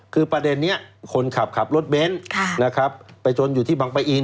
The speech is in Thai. คือประเด็นนี้คนขับขับรถเบนท์นะครับไปจนอยู่ที่บังปะอิน